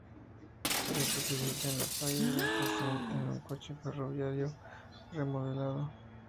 Este se ubica en la playa de la estación, en un coche ferroviario remodelado.